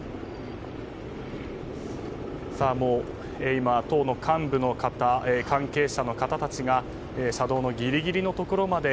今、党の幹部の方関係者の方たちが車道のギリギリのところまで。